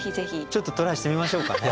ちょっとトライしてみましょうかね。